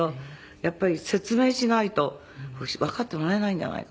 「やっぱり説明しないとわかってもらえないんじゃないかと」